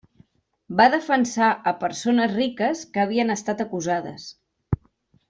Va defensar a persones riques que havien estat acusades.